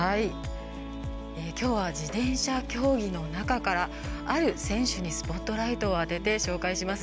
きょうは自転車競技の中からある選手にスポットライトを当てて紹介します。